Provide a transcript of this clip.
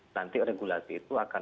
nanti regulasi itu akan